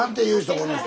この人。